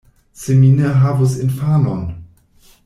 Se mi ne havus infanon!